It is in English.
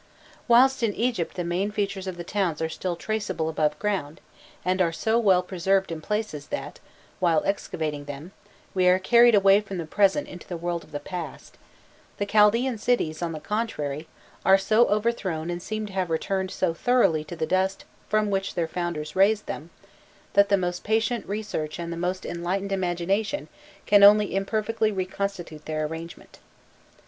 Whilst in Egypt the main features of the towns are still traceable above ground, and are so well preserved in places that, while excavating them, we are carried away from the present into the world of the past, the Chaldaean cities, on the contrary, are so overthrown and seem to have returned so thoroughly to the dust from which their founders raised them, that the most patient research and the most enlightened imagination can only imperfectly reconstitute their arrangement.